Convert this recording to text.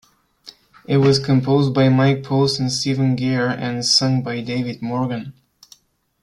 It was composed by Mike Post and Stephen Geyer and sung by David Morgan.